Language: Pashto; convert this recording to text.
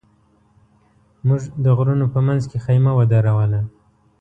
موږ د غرونو په منځ کې خېمه ودروله.